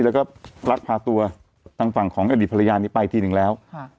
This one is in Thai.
แล้วก็ลักพาตัวทางฝั่งของอดีตภรรยานี้ไปทีนึงแล้ว